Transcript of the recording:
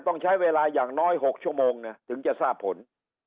ต้องใช้เวลาอย่างน้อย๖ชั่วโมงนะถึงจะทราบผล